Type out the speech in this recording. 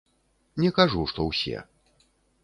Не кажу, што ўсе.